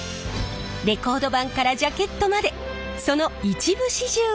レコード盤からジャケットまでその一部始終をお見せします！